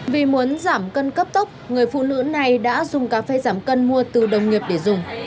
vì muốn giảm cân cấp tốc người phụ nữ này đã dùng cà phê giảm cân mua từ đồng nghiệp để dùng